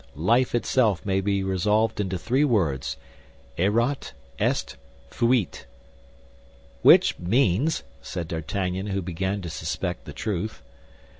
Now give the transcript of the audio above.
Life itself may be resolved into three words: Erat, est, fuit." "Which means—" said D'Artagnan, who began to suspect the truth.